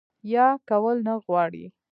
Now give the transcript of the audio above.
يا کول نۀ غواړي